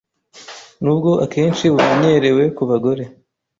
Nubwo akenshi bumenyerewe ku bagore,